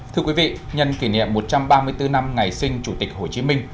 thưa quý vị nhân kỷ niệm một trăm ba mươi bốn năm ngày sinh chủ tịch hồ chí minh